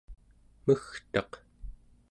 megtaq